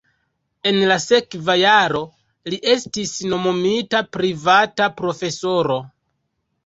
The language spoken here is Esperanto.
En la sekva jaro li estis nomumita privata profesoro.